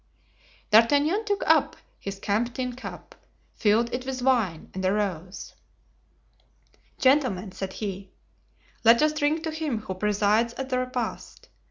D'Artagnan took up his camp tin cup, filled it with wine and arose. "Gentlemen," said he, "let us drink to him who presides at the repast.